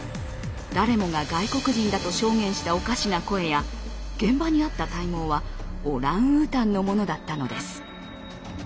誰もが外国人だと証言したおかしな声や現場にあった体毛はオランウータンのものだったのです。